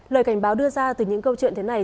lời cảnh báo đưa ra từ những câu chuyện thế này